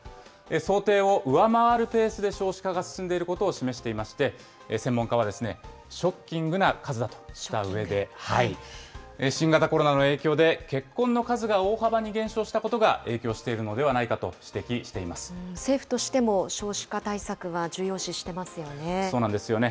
想定を上回るペースで少子化が進んでいることを示していまして、専門家は、ショッキングな数だとしたうえで、新型コロナの影響で、結婚の数が大幅に減少したことが影響しているのではないかと指摘政府としても、少子化対策はそうなんですよね。